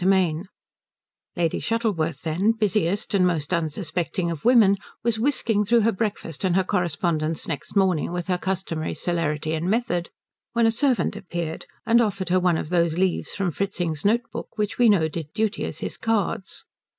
VIII Lady Shuttleworth then, busiest and most unsuspecting of women, was whisking through her breakfast and her correspondence next morning with her customary celerity and method, when a servant appeared and offered her one of those leaves from Fritzing's note book which we know did duty as his cards.